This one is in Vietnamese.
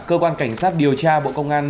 cơ quan cảnh sát điều tra bộ công an